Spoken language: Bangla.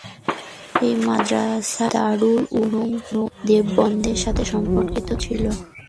এই মাদ্রাসা দারুল উলুম দেওবন্দের সাথে সম্পর্কিত ছিল।